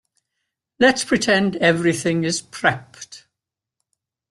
Let's pretend everything is prepped.